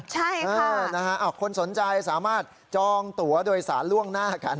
ใช่ค่ะคนสนใจสามารถจองตัวโดยสารล่วงหน้ากัน